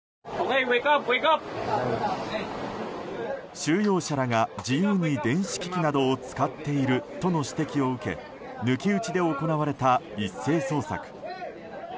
収容者らが自由に電子機器などを使っているとの指摘を受け抜き打ちで行われた一斉捜索。